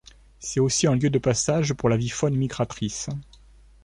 C'est aussi un lieu de passage pour l'avifaune migratrice.